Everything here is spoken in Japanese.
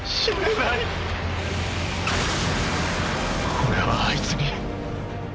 俺はあいつに。